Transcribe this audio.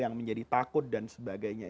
yang menjadi takut dan sebagainya